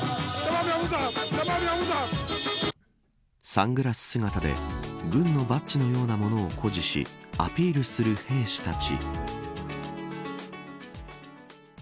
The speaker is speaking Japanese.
サングラス姿で軍のバッジのようなものを誇示しアピールする兵士たち。